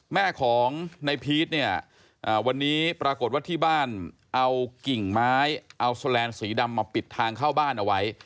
แม่ของในพีชเนี่ยวันนี้ปรากฏว่าที่บ้านเอากิ่งไม้เอาสแลนดสีดำมาปิดทางเข้าบ้านเอาไว้